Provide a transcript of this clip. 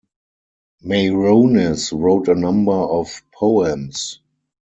Maironis wrote a number of poems.